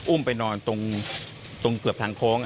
ไปนอนตรงเกือบทางโค้ง